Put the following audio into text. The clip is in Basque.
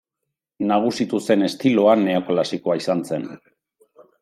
Nagusitu zen estiloa neoklasikoa izan zen.